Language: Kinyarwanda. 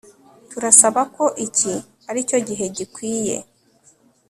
Turasaba ko iki aricyo gihe gikwiye